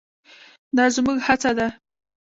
دا زموږ هڅه ده.